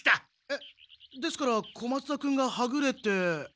えっですから小松田君がはぐれて。